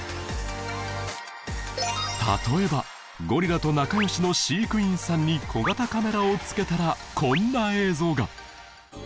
例えばゴリラと仲良しの飼育員さんに小型カメラを付けたらこんな映像が。